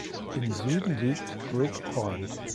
Im Süden liegt "Grieg Point".